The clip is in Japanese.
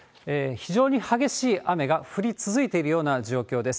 非常に激しい雨が降り続いているような状況です。